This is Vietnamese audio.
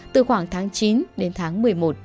từ khoảng tháng chín đến tháng một mươi một